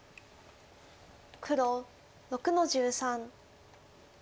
黒６の十三。